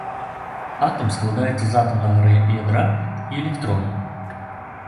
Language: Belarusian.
Атам складаецца з атамнага ядра і электронаў.